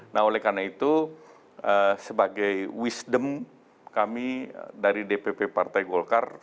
nah oleh karena itu sebagai wisdom kami dari dpp partai golkar